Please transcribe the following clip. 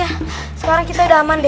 pakde beri kasih hati